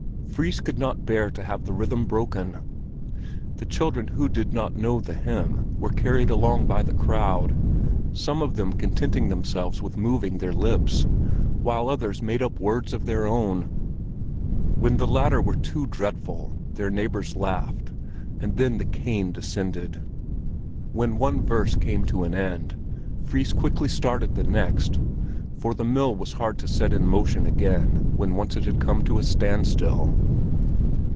Fris could not bear to have the rhythm broken. The children who did not know the hymn were carried along by the crowd, some of them contenting themselves with moving their lips, while others made up words of their own. When the latter were too dreadful, their neighbors laughed, and then the cane descended. When one verse came to an end, Fris quickly started the next; for the mill was hard to set in motion again when once it had come to a standstill.